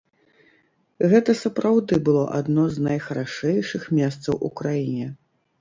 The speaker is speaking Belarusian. Гэта сапраўды было адно з найхарашэйшых месцаў у краіне.